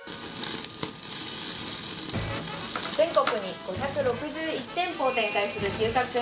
全国に５６１店舗を展開する牛角。